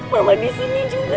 mama disini juga